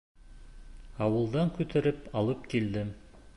Ауылдан күтәреп алып килдем.